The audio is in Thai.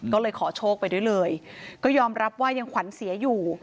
ก็เลยขอโชคไปด้วยเลยก็ยอมรับว่ายังขวัญเสียอยู่